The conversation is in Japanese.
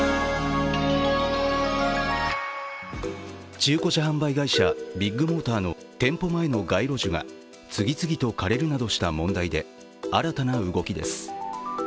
中古車販売会社ビッグモーターの店舗前の街路樹が次々と枯れるなどした問題で新たな動きです。